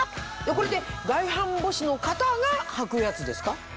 これって外反母趾の方が履くやつですか？